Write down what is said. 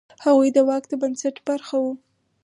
هغوی د واک د بنسټ برخه وه.